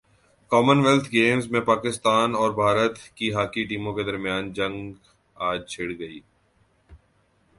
common wealth Games میں پاکستان اور بھارت کی ہاکی ٹیموں کے درمیان جنگ اج چھڑے گی